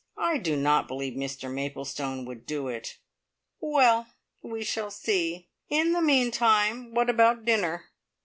I do not believe Mr Maplestone would do it!" "Well! we shall see. In the meantime, what about dinner?"